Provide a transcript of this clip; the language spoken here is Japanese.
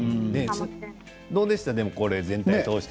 どうでしたか全体として